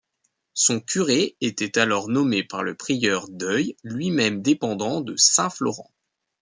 Son curé était alors nommé par le prieur de Deuil, lui-même dépendant de Saint-Florent.